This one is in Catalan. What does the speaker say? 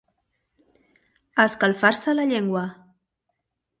Escalfar-se la llengua.